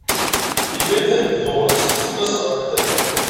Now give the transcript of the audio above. Iyyamt ad neddu s tesnasɣalt.